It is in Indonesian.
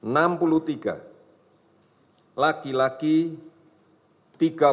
lima puluh sembilan laki laki enam puluh tiga tahun nampak sakit ringan sedang